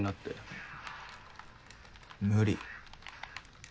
無理。